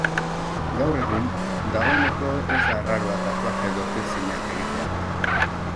Gaur egun, dagoeneko ez da arraroa tatuaje edo percingak egitea.